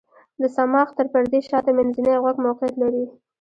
د صماخ تر پردې شاته منځنی غوږ موقعیت لري.